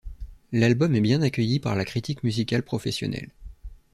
L'album est bien accueilli par la critique musicale professionnelle.